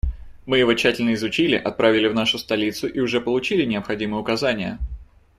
Мы его тщательно изучили, отправили в нашу столицу и уже получили необходимые указания.